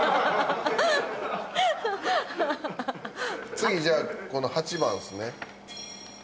次じゃあこの８番っすね。